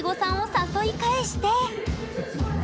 誘い返して。